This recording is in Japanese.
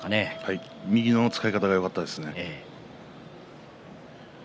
右の使い方がよかったですね。